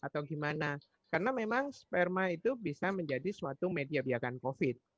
atau gimana karena memang sperma itu bisa menjadi suatu media biarkan covid